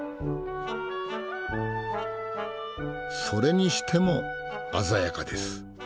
それにしても鮮やかです。